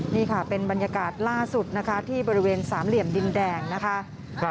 นี่ค่ะเป็นบรรยากาศล่าสุดนะคะที่บริเวณสามเหลี่ยมดินแดงนะคะ